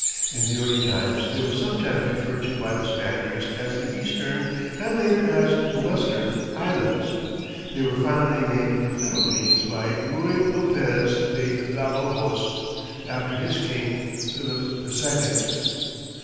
In the early times they were sometimes referred to by the Spaniards as the Eastern, and later as the Western, Islands. They were finally named the Philippines by Ruy Lopez de Villalobos, after his king, Philip the Second.